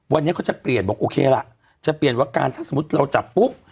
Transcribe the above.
วันนี้เขาจะเปลี่ยนบอกโอเคล่ะจะเปลี่ยนว่าการถ้าสมมุติเราจับปุ๊บ